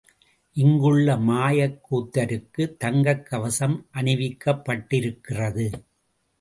இங்குள்ள மாயக் கூத்தருக்கு தங்கக் கவசம் அணிவிக்கப்பட்டிருக்கிறது.